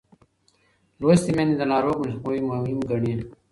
لوستې میندې د ناروغۍ مخنیوی مهم ګڼي.